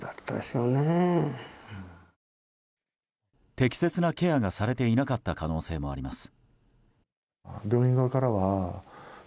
適切なケアがされていなかった可能性もあります。